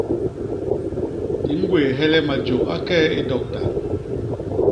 Di ñgwééhe le majô a kee i dokta.